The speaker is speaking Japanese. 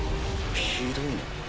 ひどいな。